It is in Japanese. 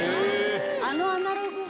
あの『アナログ』が。